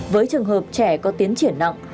với trường hợp trẻ có tiến triển nặng